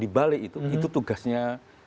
dibalik itu itu tugasnya